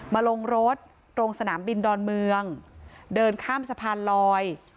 มาลงรถตรงสนามบินดอนเมืองเดินข้ามสะพานลอย